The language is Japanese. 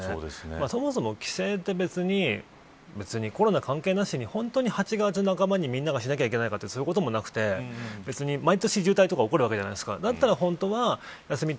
そもそも帰省って別にコロナ関係なしに本当に８月半ばに、みんながしなきゃいけないかとかじゃなくて毎年、渋滞とか起こるわけじゃないですか。